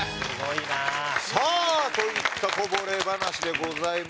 さあといったこぼれ話でございましたが。